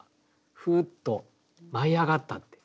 ふっと舞い上がったって。